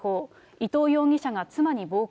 伊藤容疑者が妻に暴行。